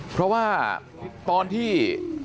เพราะว่าตอนที่